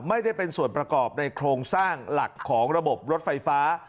ไม่ได้เป็นส่วนประกอบในโครงสร้างหลักของระบบรถไฟฟ้า